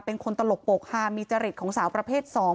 เป็นคนตลกปกมีจริตของสาวประเภทสอง